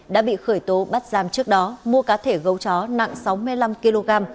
đã bị khởi tố bắt giam trước đó mua cá thể gấu chó nặng sáu mươi năm kg